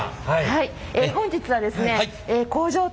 はい。